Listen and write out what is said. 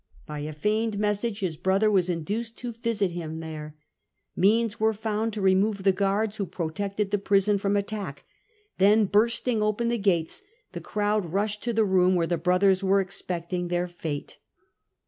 By a feigned message his brother was induced to visit him there. Means were found to remove the guards who protected the prison from attack. Then, bursting open the gates, the crowd rushed to the room where the brothers were expecting their fate.